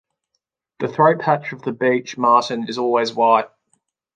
The throat patch of the beech marten is always white.